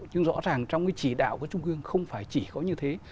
nhưng rõ ràng trong cái chỉ đạo của trung ương không phải chỉ có như thế